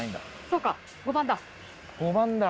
そうか５番だ。